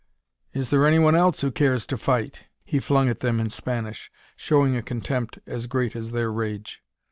"Is there anyone else who cares to fight?" he flung at them in Spanish, showing a contempt as great as their rage.